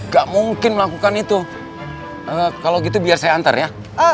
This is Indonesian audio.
gak mungkin melakukan itu kalau gitu biar saya antar ya